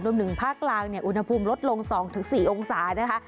รวมถึงภาคกลางเนี่ยอุณหภูมิลดลง๒๔องศานะคะ